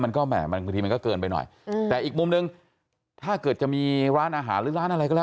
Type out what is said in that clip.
มันก็แหม่มันบางทีมันก็เกินไปหน่อยแต่อีกมุมหนึ่งถ้าเกิดจะมีร้านอาหารหรือร้านอะไรก็แล้ว